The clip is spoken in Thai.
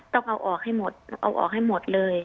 ต้องเอาออกให้หมดเอาออกให้หมดเลย